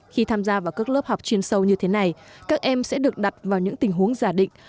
khi tham gia vào các lớp học chuyên sâu như thế này các em sẽ được đặt vào những tình huống giả định